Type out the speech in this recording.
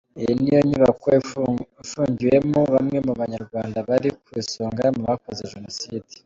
Iyi niyo nyubako ifungiwemo bamwe mu Banyarwanda bari ku isonga mu bakoze Jenoside.